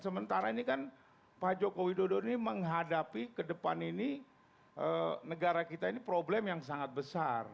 sementara ini kan pak joko widodo ini menghadapi ke depan ini negara kita ini problem yang sangat besar